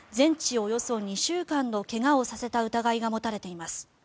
およそ２週間の怪我をさせた疑いが持たれています。